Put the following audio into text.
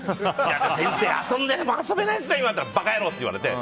先生、遊んでないですよって言ったら馬鹿野郎って言われて。